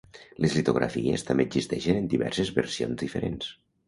Les litografies també existeixen en diverses versions diferents.